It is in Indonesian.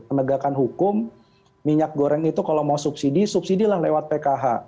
penegakan hukum minyak goreng itu kalau mau subsidi subsidi lah lewat pkh